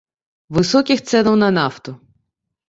Высокіх цэнаў на нафту.